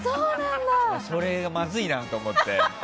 それがまずいなと思って。